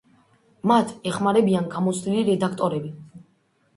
მათ ეხმარებიან გამოცდილი რედაქტორები.